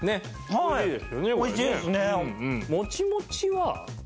おいしいですね。